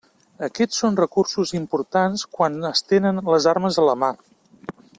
Aquests són recursos importants quan es tenen les armes a la mà.